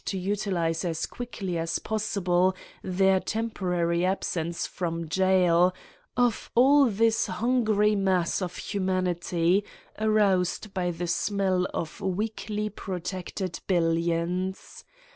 to utilize as quickly as possible their temporary absence from jail of all this hungry mass of humanity aroused by the smell of weakly protected billions.